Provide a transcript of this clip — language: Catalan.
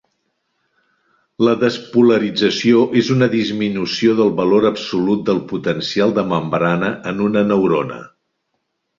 La despolarització és una disminució del valor absolut del potencial de membrana en una neurona.